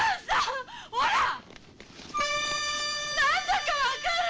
何だか分かる？